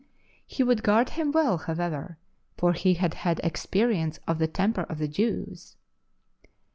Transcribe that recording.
He would guard him well, how'ever, for he had had experience of the temper of the Jew's.